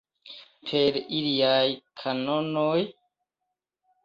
Per iliaj kanonoj?